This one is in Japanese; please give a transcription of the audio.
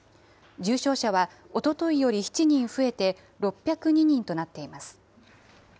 重症者はおとといより７人増えて６０２人となっています。